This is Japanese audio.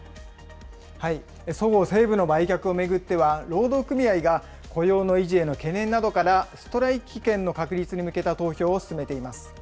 そごう・西武の売却を巡っては、労働組合が雇用の維持への懸念などから、ストライキ権の確立に向けた投票をすすめています。